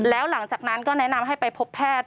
แล้วหลังจากนั้นก็แนะนำให้ไปพบแพทย์